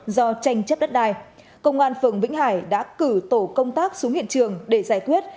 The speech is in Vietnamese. do tranh chấp đất đài công an phường vĩnh hải đã cử tổ công tác xuống hiện trường để giải quyết